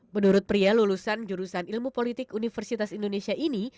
menurut pria lulusan jurusan ilmu politik universitas indonesia ini